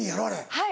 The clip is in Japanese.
はい！